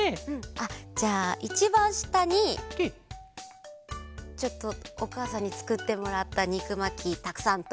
じゃあいちばんしたにちょっとおかあさんにつくってもらったにくまきたくさんと。